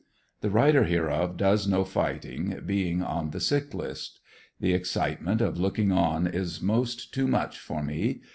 The writer hereof does no fighting, being on the sick list. The excitement of looking on is most too much for me.